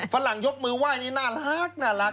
ฝรั่งยกมือไหว้นี่น่ารักน่ารัก